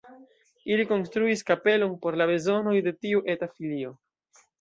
Ili konstruis kapelon por la bezonoj de tiu eta filio.